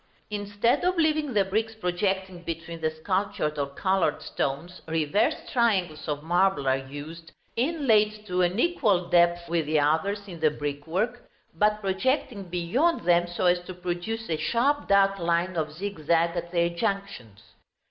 Instead of leaving the bricks projecting between the sculptured or colored stones, reversed triangles of marble are used, inlaid to an equal depth with the others in the brickwork, but projecting beyond them so as to produce a sharp dark line of zigzag at their junctions.